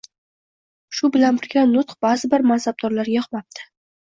Shu bilan birga nutq ba’zi bir mansabdorlarga yoqmabdi.